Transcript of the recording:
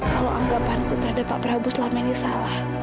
kalau anggapanku terhadap pak prabowo selama ini salah